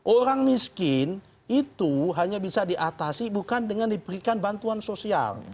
orang miskin itu hanya bisa diatasi bukan dengan diberikan bantuan sosial